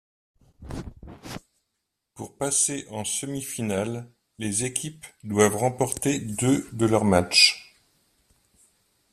Pour passer en semi-finale, les équipes doivent remporter deux de leurs matches.